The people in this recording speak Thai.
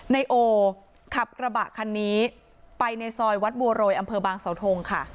นายโอขับกระบะคันนี้ไปในซอยวัดบัวโรยอำเภอบางเสาทงค่ะ